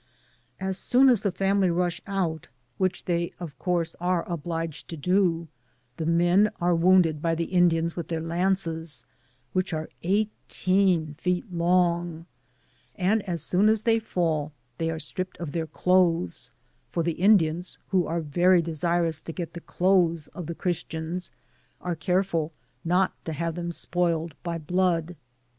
As soon as the family rush out, which they of course are obliged to do, the men are wounded by the Indians with their lances, which are eighteen feet long, and as soon as they fall they are stripped of their clothes ; for the Indians, who are very de * sirous to get the clothes of the Christians, are care ful not to have them spoiled by blood.